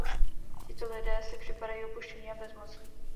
Tito lidé si připadají opuštění a bezmocní.